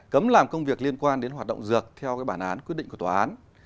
cấm làm công việc liên quan đến hoạt động dược theo bản án quyết định của tòa án